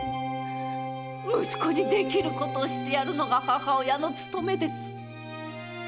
息子にできることをしてやるのが母親の務めです！